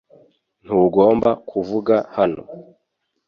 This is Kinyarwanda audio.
Ntugomba kuvuga hano .